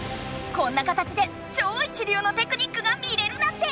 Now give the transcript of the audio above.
こんな形でちょういちりゅうのテクニックが見れるなんて！